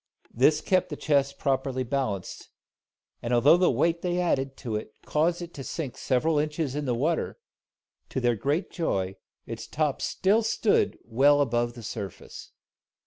This kept the chest properly balanced; and although the weight they added to it caused it to sink several inches in the water, to their great joy its top still stood well above the surface.